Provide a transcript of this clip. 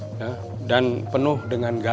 ini juga bisa dikumpulkan dengan berat